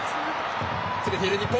詰めている日本。